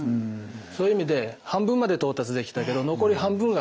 そういう意味で半分まで到達できたけど残り半分があります。